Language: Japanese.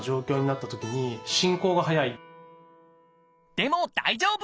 でも大丈夫！